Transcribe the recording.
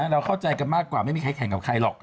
เราเข้าใจกันมากกว่าไม่มีใครแข่งกับใครหรอก